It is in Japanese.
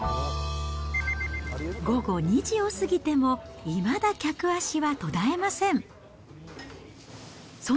午後２時を過ぎても、いまだ客足は途絶えません。